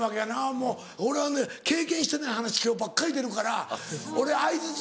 もう俺はね経験してない話ばっかり出るから俺相づち